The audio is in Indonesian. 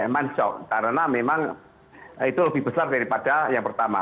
jadi kita anggap sebagai mensyok karena memang itu lebih besar daripada yang pertama